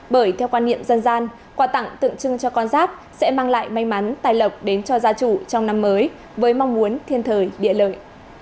bởi theo quan niệm dân gian quà tặng tượng trưng cho con giáp sẽ mang lại may mắn tài lộc đến cho gia chủ trong năm mới với mong muốn thiên thời địa lợi